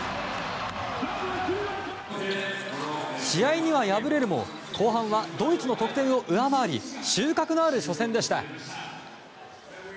試合には敗れるも後半はドイツの得点を上回り収穫のある初戦でした。